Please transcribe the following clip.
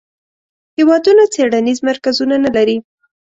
هیوادونه څیړنیز مرکزونه نه لري.